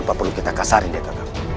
nggak perlu kita kasarin ya kakak